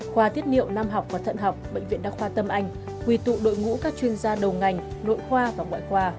khoa tiết niệu nam học và thận học bệnh viện đa khoa tâm anh quy tụ đội ngũ các chuyên gia đầu ngành nội khoa và ngoại khoa